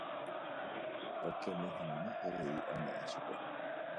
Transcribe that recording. Okemi hag̃ua avei ome'ẽ chupe.